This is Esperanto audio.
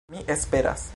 Mi esperas...